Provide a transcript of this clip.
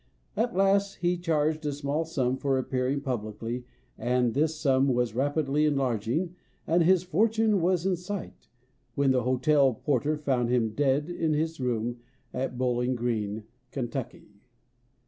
At last he 8 INTRODUCTION charged a small sum for appearing publicly and this sum was rapidly enlarging and his fortune was in sight, when the hotel porter found him dead in his room at Bowling Green, Kentucky.